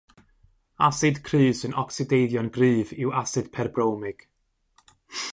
Asid cryf sy'n ocsideiddio'n gryf yw asid perbromig.